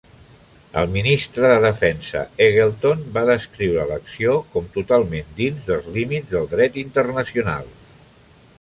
El Ministre de Defensa Eggleton va descriure l'acció com totalment dins dels límits del dret internacional.